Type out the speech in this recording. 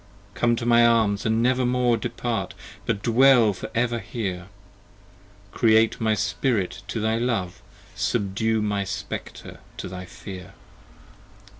Come to my arms & never more Depart; but dwell for ever here: Create my Spirit to thy Love: Subdue my Spectre to thy Fear.